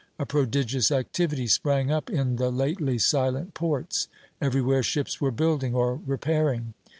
A prodigious activity sprang up in the lately silent ports; everywhere ships were building or repairing."